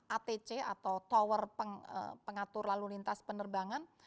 atc atau tower pengatur lalu lintas penerbangan